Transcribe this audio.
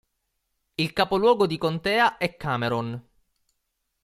Il capoluogo di contea è Cameron.